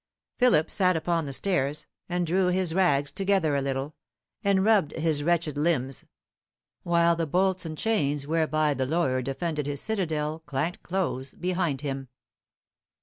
Philip sat upon the stairs, and drew his rags together a little, and rubbed his wretched limbs, while the bolts and chains whereby the lawyer defended his citadel clanked close behind him.